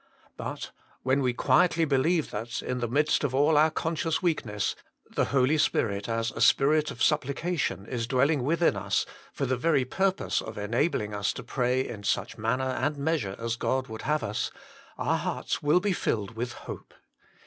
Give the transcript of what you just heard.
But when we quietly believe that, in the midst of all our conscious weakness, the Holy Spirit as a Spirit of supplication is dwelling within us, for the very purpose of enabling us to pray in such manner and measure as God would have us, our hearts will be filled with hope.